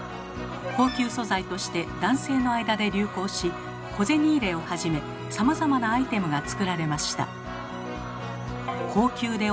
高級素材として男性の間で流行し小銭入れをはじめさまざまなアイテムが作られました。